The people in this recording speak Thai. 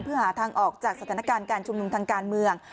เพื่อหาทางออกจากสถานการณ์การชุมนุมทางการเมือง